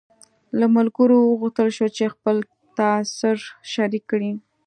له ملګرو وغوښتل شول چې خپل تاثر شریک کړي.